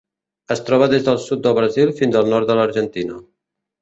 Es troba des del sud del Brasil fins al nord de l'Argentina.